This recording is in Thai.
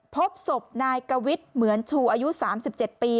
พบศพนายกวิทย์เหมือนชูอายุ๓๗ปี